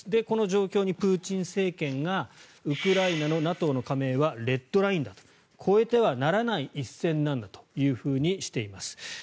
この状況にプーチン政権がウクライナのＮＡＴＯの加盟はレッドラインだと越えてはならない一線なんだとしています。